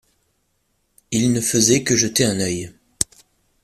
Il ne faisait que jeter un œil.